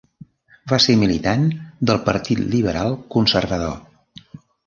Va ser militant del Partit Liberal Conservador.